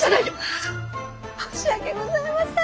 ああ申し訳ございません！